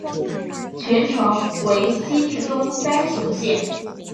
全程为西至东单行线。